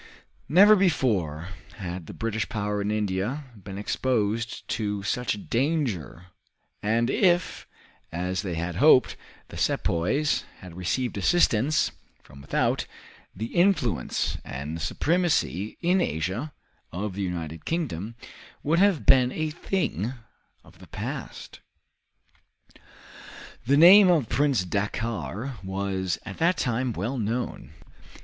Never before had the British power in India been exposed to such danger, and if, as they had hoped, the sepoys had received assistance from without, the influence and supremacy in Asia of the United Kingdom would have been a thing of the past. The name of Prince Dakkar was at that time well known.